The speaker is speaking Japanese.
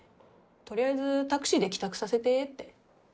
取りあえずタクシーで帰宅させてって。